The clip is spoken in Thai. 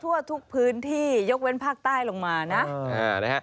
ทั่วทุกพื้นที่ยกเว้นภาคใต้ลงมานะ